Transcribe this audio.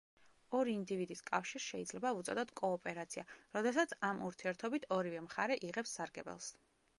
ორი ინდივიდის კავშირს შეიძლება ვუწოდოთ კოოპერაცია, როდესაც ამ ურთიერთობით ორივე მხარე იღებს სარგებელს.